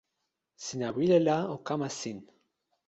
sina wile la o kama sin.